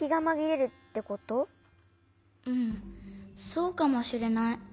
そうかもしれない。